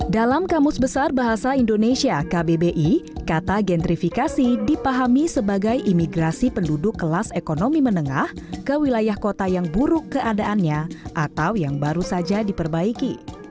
dalam kamus besar bahasa indonesia kbbi kata gentrifikasi dipahami sebagai imigrasi penduduk kelas ekonomi menengah ke wilayah kota yang buruk keadaannya atau yang baru saja diperbaiki